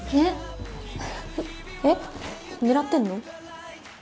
えっ狙ってんの？